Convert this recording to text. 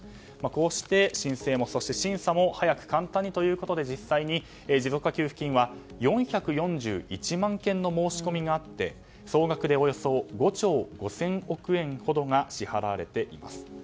こうして、申請も審査も早く簡単にということで実際に持続化給付金は４４１万件の申し込みがあって総額で、およそ５兆５０００億円ほどが支払われています。